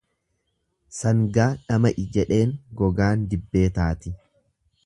Sangaa dhama'i jedheen gogaan dibbee taati.